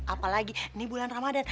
apalagi ini bulan ramadhan